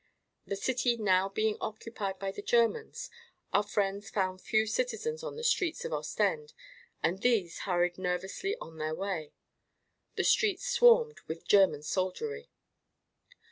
The city now being occupied by the Germans, our friends found few citizens on the streets of Ostend and these hurried nervously on their way. The streets swarmed with German soldiery.